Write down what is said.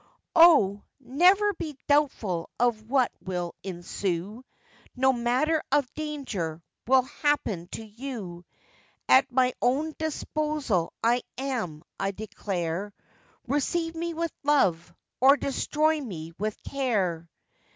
'O! never be doubtful of what will ensue, No manner of danger will happen to you; At my own disposal I am, I declare, Receive me with love, or destroy me with care.